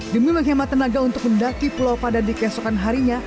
demi menghemat tenaga untuk mendaki pulau pada dikesokan harinya